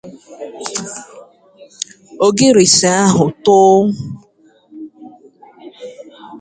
Ogirisi ahụ too